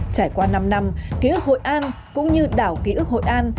trải qua năm năm ký ức hội an cũng như đảo ký ức hội an